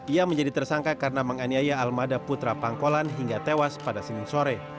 ia menjadi tersangka karena menganiaya almada putra pangkolan hingga tewas pada senin sore